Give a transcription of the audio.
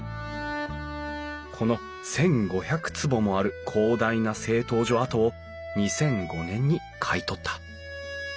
この１，５００坪もある広大な製陶所跡を２００５年に買い取った。